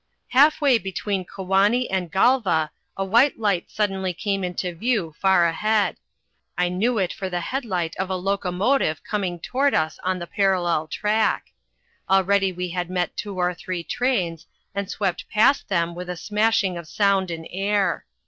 Half way between Kewanee and Galva a white light came suddenly into view far ahead. I knew it for the headlight of a locomotive coming toward us on the parallel track. Already we had met two or three trains, and swept past them with a smashing of sound and air.